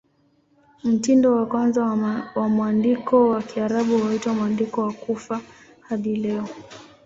Mtindo wa kwanza wa mwandiko wa Kiarabu huitwa "Mwandiko wa Kufa" hadi leo.